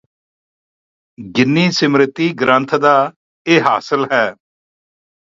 ਗਿੰਨੀ ਸਿਮ੍ਰਤੀ ਗ੍ਰੰਥ ਦਾ ਇਹ ਹਾਸਲ ਹੈ